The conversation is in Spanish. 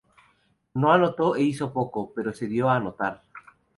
No anotó e hizo poco, pero se dio a notar.